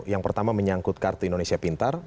yang pertama menyangkut kartu indonesia pintar